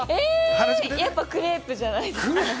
やっぱりクレープじゃないですか。